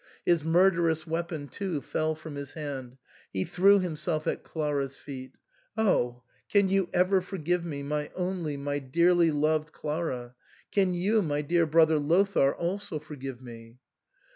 His murderous weapon, too, fell from his hand ; he threw himself at Clara's feet. " Oh ! can you ever forgive me, my only, my dearly loved Clara ? Can you, my dear brother Lothair, also forgive me